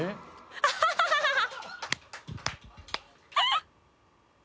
アハハハハハ